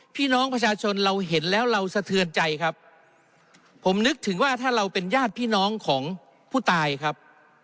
พี่น้องประชาชนเราเห็นแล้วเราสะเทือนใจครับผมนึกถึงว่าถ้าเราเป็นญาติพี่น้องของผู้ตายครับ